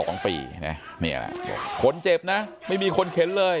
นี่แหละขนเจ็บนะไม่มีคนเข็นเลย